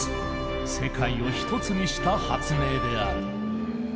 世界を１つにした発明である。